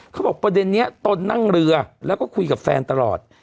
เขาบอกประเด็นนี้ตนนั่งเรือแล้วก็คุยกับแฟนตลอด